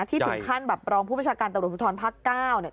ที่ถึงขั้นแบบรองผู้พิชาการตบริษัทธรรมภาคเก้าเนี่ย